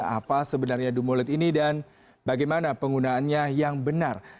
apa sebenarnya dumolit ini dan bagaimana penggunaannya yang benar